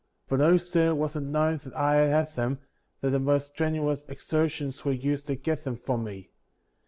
For no sooner was it known that I had them, than the most strenuous exertions were used to get them from me.